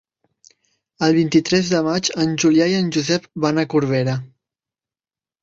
El vint-i-tres de maig en Julià i en Josep van a Corbera.